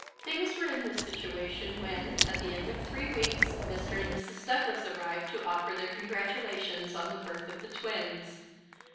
Things were in this situation when, at the end of three weeks, Mr. and Mrs. Douglas arrived to offer their congratulations on the birth of the twins.